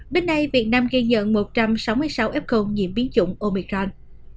đến nay việt nam ghi nhận một trăm sáu mươi sáu fcom nhiễm biến chủng omicron